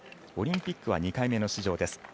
オリンピックは２回目の出場です